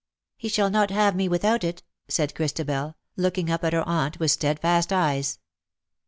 '"^' He shall not have me without it/" said Christabel, looking up at her aunt with steadfast eyes.